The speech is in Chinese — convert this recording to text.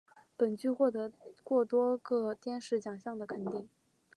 本剧获得过多个电视奖项的肯定。